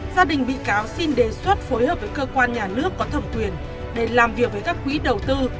gia đình bị cáo xin đề xuất phối hợp với cơ quan nhà nước có thẩm quyền để làm việc với các quỹ đầu tư